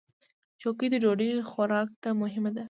چوکۍ د ډوډۍ خوراک ته مهمه ده.